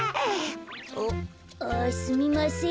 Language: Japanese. う？あすみません。